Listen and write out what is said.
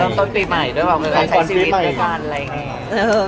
เริ่มต้นปีใหม่ด้วยบ้างใช้ชีวิตด้วยบ้านอะไรอย่างเงี้ย